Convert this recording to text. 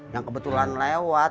yang kebetulan lewat